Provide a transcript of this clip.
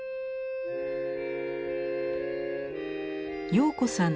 陽子さん